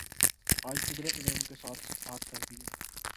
آج قدرت نے ان کے ساتھ ہاتھ کر دیا۔